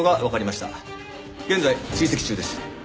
現在追跡中です。